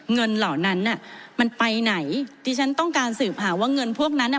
เหล่านั้นน่ะมันไปไหนที่ฉันต้องการสืบหาว่าเงินพวกนั้นอ่ะ